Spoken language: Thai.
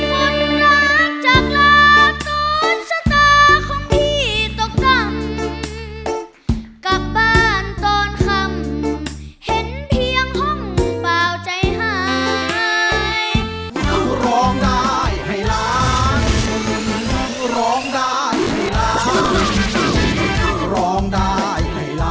หมดรักจากลาตอนชะตาของพี่ตกดำกลับบ้านตอนคำเห็นเพียงห้องเปล่าใจหาย